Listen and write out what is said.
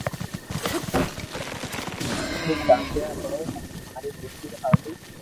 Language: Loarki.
لکي ڪاڌيا ھي ھين ماري ڀولي ھارو